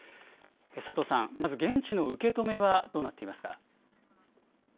佐藤さん、まず現地の受け止めはどうなっていますか。